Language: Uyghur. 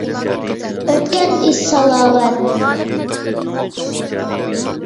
ئۆتكەن ئىش سالاۋات.